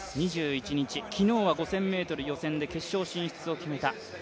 ２１日、昨日は５０００ｍ予選で決勝進出を決めた。